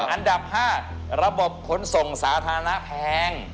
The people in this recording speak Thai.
อันดับ๕ระบบขนส่งสาธารณะแพง